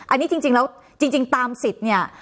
อันนี้จริงแล้วจริงตามสิทธิ์เนี่ย